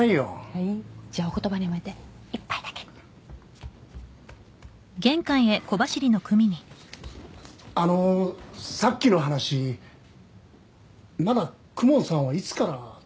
はいじゃあお言葉に甘えて一杯だけあのさっきの話なら公文さんはいつから？